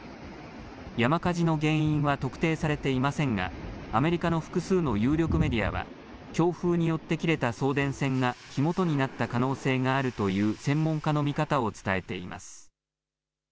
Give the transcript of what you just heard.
山火事の原因は特定されていませんがアメリカの複数の有力メディアは強風によって切れた送電線が火元になった可能性があるという専門家の見方を伝えています。